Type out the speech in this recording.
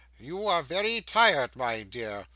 You are very tired, my dear.